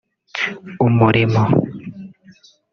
Umurimo